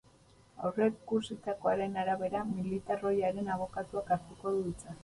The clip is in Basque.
Aurreikusitakoaren arabera, militar ohiaren abokatuak hartuko du hitza.